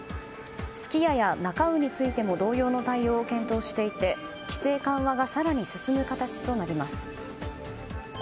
すき家やなか卯についても同様の対応を検討していて規制緩和が更に進む形となります。